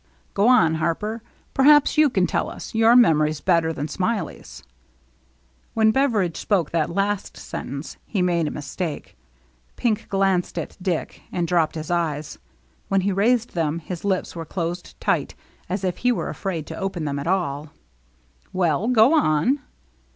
" Go on. Harper. Perhaps you can tell us. Your memory's better than Smiley's." When Beveridge spoke that last sentence, he made a mistake. Pink glanced at Dick, and dropped his eyes. When he raised them, his lips were closed tight, as if he were afraid to open them at all. "Well, goon."